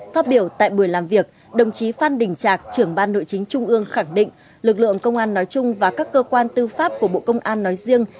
phát biểu tại buổi làm việc đồng chí phan đình trạc trưởng ban nội chính trung ương khẳng định lực lượng công an nói chung và các cơ quan tư pháp của bộ công an nói riêng